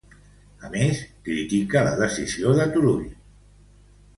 A més, critica la decisió de Turull.